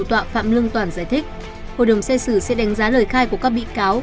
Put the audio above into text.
tọa phạm lương toản giải thích hội đồng xét xử sẽ đánh giá lời khai của các bị cáo